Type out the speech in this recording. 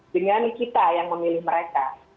dengan kita yang memilih mereka